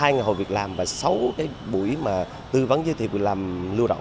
hai ngày hồi việc làm và sáu buổi tư vấn giới thiệu việc làm lưu động